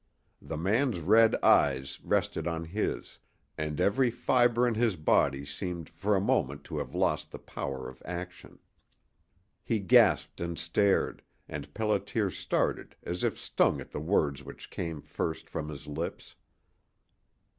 The man's red eyes rested on his, and every fiber in his body seemed for a moment to have lost the power of action. He gasped and stared, and Pelliter started as if stung at the words which came first from his lips.